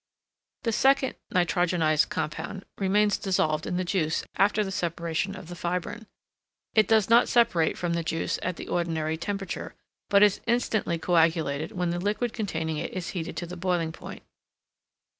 The second nitrogenised compound remains dissolved in the juice after the separation of the fibrine. It does not separate from the juice at the ordinary temperature, but is instantly coagulated when the liquid containing it is heated to the boiling point.